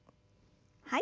はい。